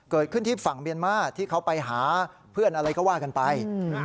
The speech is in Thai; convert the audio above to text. เกิดขึ้นที่ฝั่งเมียนมาที่เขาไปหาเพื่อนอะไรก็ว่ากันไป